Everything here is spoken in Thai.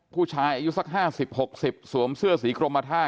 ผู้ชายอายุสัก๕๐๖๐สวมเสื้อสีกรมท่า